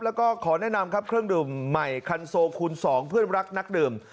แล้วก็ขอแนะนำครับเครื่องดื่มใหม่คันโซคูณ๒เพื่อนรักนักดื่ม